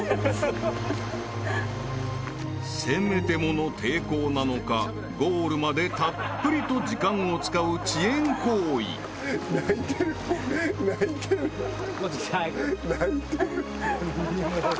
［せめてもの抵抗なのかゴールまでたっぷりと時間を使う遅延行為］泣いてる泣いてる。